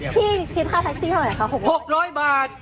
ที่ค่าหายดีออก๖๐๐บาท